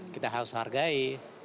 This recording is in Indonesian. kita harus hargai